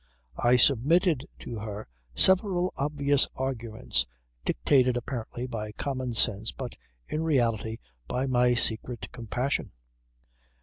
I submitted to her several obvious arguments, dictated apparently by common sense but in reality by my secret compassion.